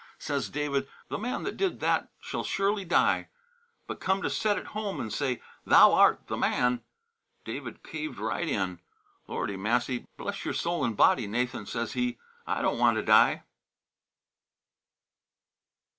Says David: 'The man that did that shall surely die.' But come to set it home and say, 'Thou art the man!' David caved right in. 'Lordy massy, bless your soul and body, Nathan!' says he, 'I don't want to die.'"